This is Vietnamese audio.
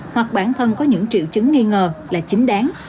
hoặc bản thân có những triệu chứng nghi ngờ là chính đáng